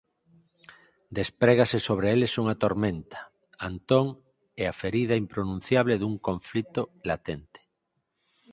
Desprégase sobre eles unha tormenta; Antón e a ferida impronunciable dun conflito latente.